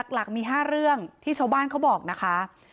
หลักมี๕เรื่องที่ชาวบ้านเขาบอกนะคะ